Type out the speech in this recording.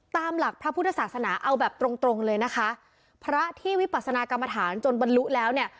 ตามหลักพระพุทธศาสนาเอาแบบตรงตรงเลยนะคะพระที่วิปัสนากรรมฐานจนบรรลุแล้วเนี่ย